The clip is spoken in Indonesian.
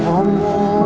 go bebas dulu